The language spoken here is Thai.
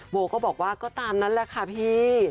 โบก็บอกว่าก็ตามนั้นแหละค่ะพี่